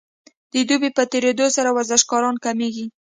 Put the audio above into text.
د دوبي په تیریدو سره ورزشکاران کمیږي